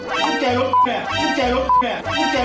กุญแจรถเหี้ย